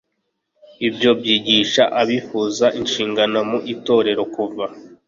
ibyo byigisha abifuza inshingano mu itorero Kuva